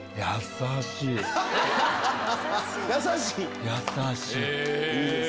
優しい？